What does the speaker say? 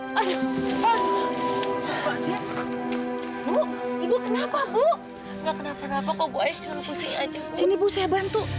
bu ibu kenapa bu enggak kenapa napa kok bu ais cuma pusing aja sini busa bantu